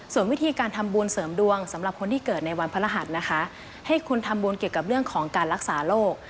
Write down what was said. ส่วนวิธีการทำบุญเสริมดวงสำหรับคนที่เกิดในวันพระรหัสนะคะให้คุณทำบุญเกี่ยวกับเรื่องของการรักษาโรค